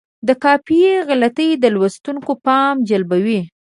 د قافیې غلطي د لوستونکي پام جلبوي.